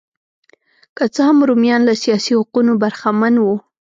که څه هم رومیان له سیاسي حقونو برخمن وو